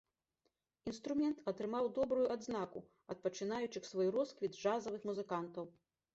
Інструмент атрымаў добрую адзнаку ад пачынаючых свой росквіт джазавых музыкантаў.